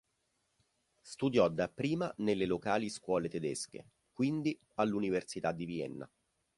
Studiò dapprima nelle locali scuole tedesche, quindi all'Università di Vienna.